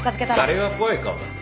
誰が怖い顔だ。